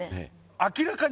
明らかに。